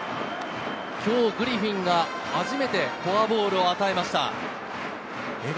今日、グリフィンが初めてフォアボールを与えました。